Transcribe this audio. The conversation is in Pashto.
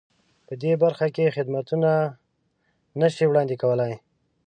په دې برخه کې خدمتونه نه شي وړاندې کولای.